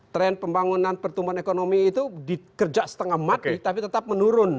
tren pembangunan pertumbuhan ekonomi itu dikerja setengah mati tapi tetap menurun